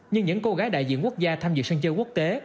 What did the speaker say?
nhưng những cô gái đại diện quốc gia tham dự sân chơi quốc tế